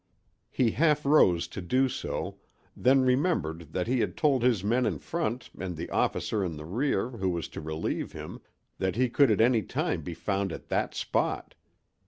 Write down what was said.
He half rose to do so, then remembered that he had told his men in front and the officer in the rear who was to relieve him that he could at any time be found at that spot.